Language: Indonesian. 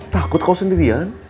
takut kau sendirian